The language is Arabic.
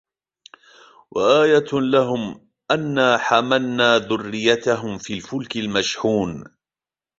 وَآيَةٌ لَهُمْ أَنَّا حَمَلْنَا ذُرِّيَّتَهُمْ فِي الْفُلْكِ الْمَشْحُونِ